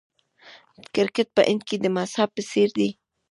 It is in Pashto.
کرکټ په هند کې د مذهب په څیر دی.